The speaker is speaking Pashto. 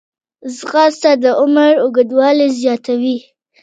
ځغاسته د عمر اوږدوالی زیاتوي